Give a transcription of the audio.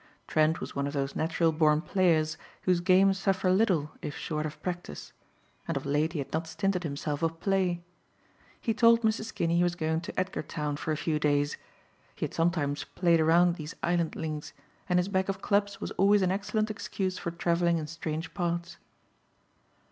Trent was one of those natural born players whose game suffer little if short of practice. And of late he had not stinted himself of play. He told Mrs. Kinney he was going to Edgartown for a few days. He had sometimes played around these island links; and his bag of clubs was always an excellent excuse for traveling in strange parts.